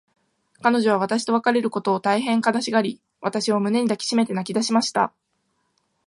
彼女は私と別れることを、大へん悲しがり、私を胸に抱きしめて泣きだしました。